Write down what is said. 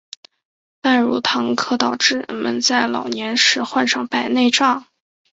半乳糖可导致人们在老年时患上白内障。